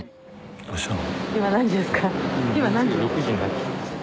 どうしたの？